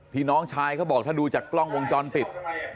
น้องชายเขาบอกถ้าดูจากกล้องวงจรปิด